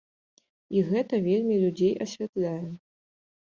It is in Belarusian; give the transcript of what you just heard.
І гэта вельмі людзей асвятляе.